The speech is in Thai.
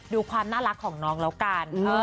ดูความน่ารักของน้องแล้วกัน